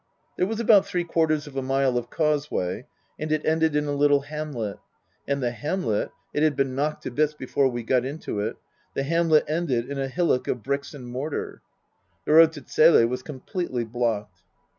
There was about three quarters of a mile of causeway and it ended in a little hamlet. And the hamlet it had been knocked to bits before we got into it the hamlet ended in a hillock of bricks and mortar. The road to Zele was completely blocked.